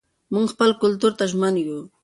موږ خپل کلتور ته ژمن یو.